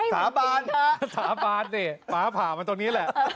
สาบานสาบานสิฟ้าผ่ามาตรงนี้แหละ